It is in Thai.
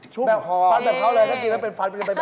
ชุบฟันแต่เขาเลยถ้าทีนั้นเป็นฟันจะไปแบบเขา